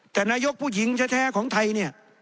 แต่นายกผู้หญิงแท้ของไทยเนี่ย